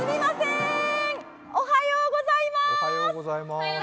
おはようございます。